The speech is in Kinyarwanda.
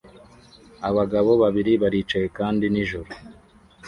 Abagabo babiri baricaye kandi nijoro